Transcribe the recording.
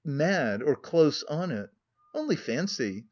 mad or close on it. Only fancy!